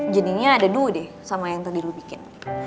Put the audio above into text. jenisnya ada dua deh sama yang tadi lo bikin